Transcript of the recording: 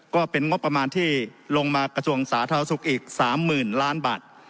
ก็เป็นงบประมาณที่ลงมากระทรวงสาธารณสุขอีก๓๐๐๐ล้านบาท